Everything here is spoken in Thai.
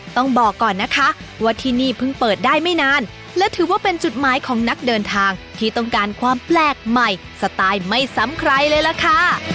ต้องบอกก่อนนะคะว่าที่นี่เพิ่งเปิดได้ไม่นานและถือว่าเป็นจุดหมายของนักเดินทางที่ต้องการความแปลกใหม่สไตล์ไม่ซ้ำใครเลยล่ะค่ะ